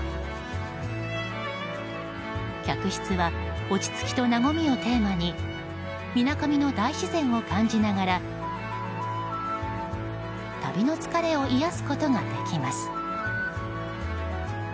客室は落ち着きとなごみをテーマに水上の大自然を感じながら旅の疲れを癒やすことができます。